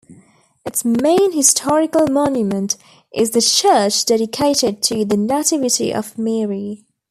Its main historical monument is the church dedicated to the Nativity of Mary.